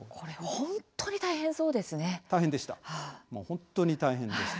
本当に大変そうですね。